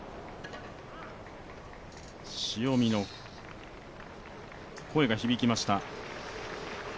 塩見の声が響きました。